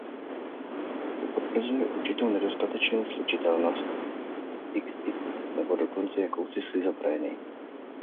To potvrzuje určitou nedostatečnou slučitelnost, xxx nebo dokonce jakousi schizofrenii.